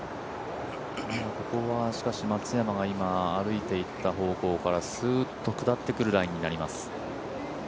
松山が今歩いていった方向からスーッと下ってくるラインになります。